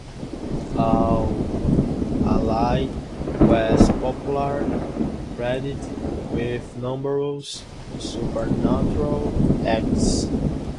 Al-Hallaj was popularly credited with numerous supernatural acts.